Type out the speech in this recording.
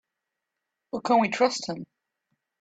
But can we trust him?